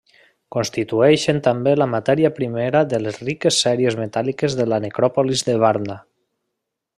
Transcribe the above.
Constitueixen també la matèria primera de les riques sèries metàl·liques de la necròpolis de Varna.